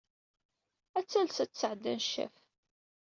Ad tales ad d-tesɛeddi aneccaf.